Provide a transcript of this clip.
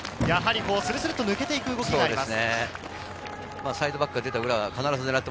スルスルと抜けていく動きがあります。